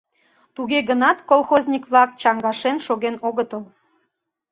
Туге гынат колхозник-влак чаҥгашен шоген огытыл.